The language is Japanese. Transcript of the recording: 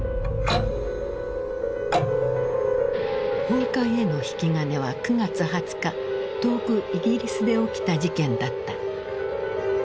崩壊への引き金は９月２０日遠くイギリスで起きた事件だった。